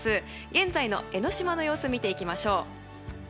現在の江の島の様子見ていきましょう。